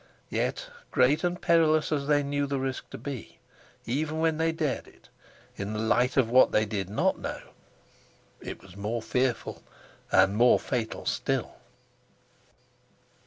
Yet, great and perilous as they knew the risk to be even when they dared it, in the light of what they did not know it was more fearful and more fatal still.